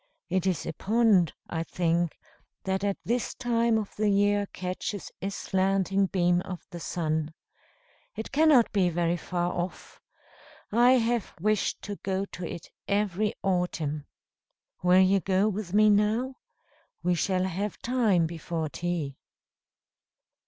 It is a pond, I think, that at this time of the year catches a slanting beam of the sun. It cannot be very far off. I have wished to go to it every autumn. Will you go with me now? We shall have time before tea."